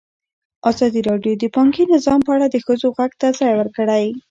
ازادي راډیو د بانکي نظام په اړه د ښځو غږ ته ځای ورکړی.